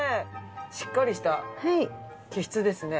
しっかりした毛質ですね。